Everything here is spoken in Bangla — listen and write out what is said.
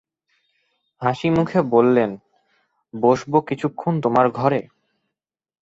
হাসিমুখে বললেন, বসব কিছুক্ষণ তোমার ঘরে?